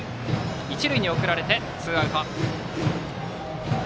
一塁に送られてツーアウト。